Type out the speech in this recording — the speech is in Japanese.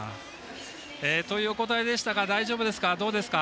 というお答えでしたが大丈夫ですか？